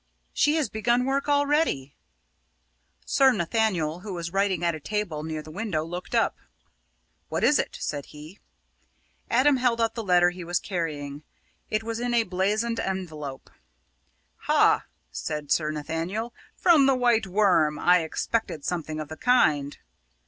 She has begun work already!" Sir Nathaniel, who was writing at a table near the window, looked up. "What is it?" said he. Adam held out the letter he was carrying. It was in a blazoned envelope. "Ha!" said Sir Nathaniel, "from the White Worm! I expected something of the kind."